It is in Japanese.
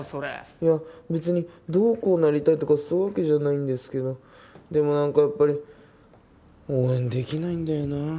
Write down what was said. いや別にどうこうなりたいとかそういうわけじゃないんですけどでも何かやっぱり応援できないんだよな。